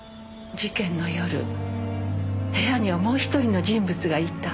事件の夜部屋にはもう１人の人物がいた。